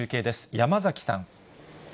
山崎さん。